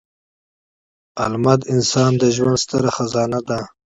علمد انسان د ژوند ستره خزانه ده.